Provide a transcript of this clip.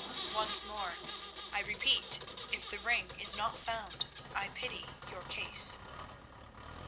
Once more, I repeat, if the ring is not found, I pity your case."